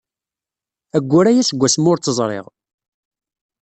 Ayyur aya seg wasmi ur tt-ẓriɣ.